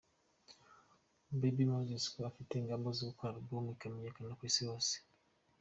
Baby Moses ngo afite ingamba zo gukora Album ikamenyekana ku isi hose.